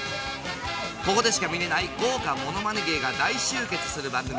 ここでしか見られない豪華ものまね芸が大集結する番組。